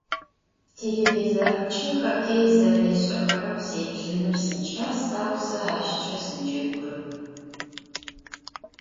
Têlêvizorımç'e xokkêy zerêş'exerem sêplhınır siç'as, au se aşç'e sıcegurep.